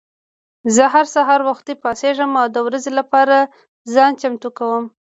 زه هر سهار وختي پاڅېږم او د ورځې لپاره ځان چمتو کوم.